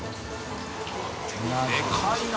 でかいな！